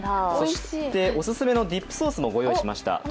そして、おすすめのディップソースもご用意しました。